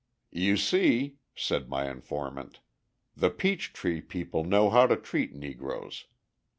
"You see," said my informant, "the Peachtree people know how to treat Negroes.